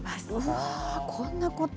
うわー、こんなこと。